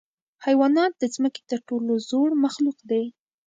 حیوانات د ځمکې تر ټولو زوړ مخلوق دی.